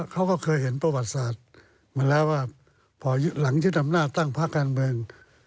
เขาก็เคยเห็นประวัติศาสตร์มาแล้วว่าพอหลังยึดอำนาจตั้งพักการเมือง